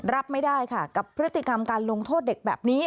รับไม่ได้ค่ะกับพฤติกรรมการลงโทษเด็กแบบนี้